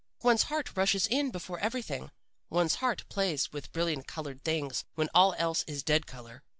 One's heart rushes in before everything. One's heart plays with brilliant colored things when all else is dead color.